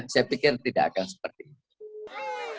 saya pikir tidak akan seperti itu